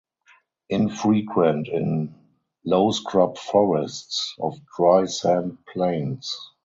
Infrequent in low scrub forests of dry sand plains.